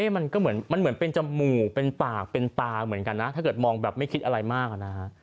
มันก็เหมือนมันเหมือนเป็นจมูกเป็นปากเป็นตาเหมือนกันนะถ้าเกิดมองแบบไม่คิดอะไรมากนะฮะ